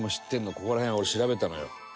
「ここら辺俺調べたのよ」